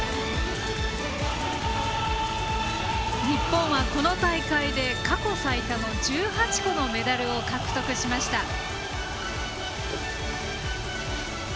日本はこの大会で過去最多の１８個のメダルを獲得しました。